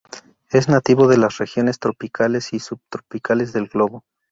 Es nativo de las regiones tropicales y subtropicales del globo.